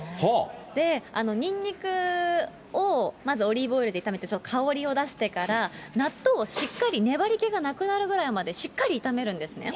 ニンニクをまずオリーブオイルで炒めて、ちょっと香りを出してから、納豆をしっかり、粘り気がなくなるぐらいまで、しっかり炒めるんですね。